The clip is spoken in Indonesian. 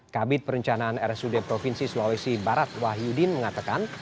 kabit perencanaan rsud provinsi sulawesi barat wahyudin mengatakan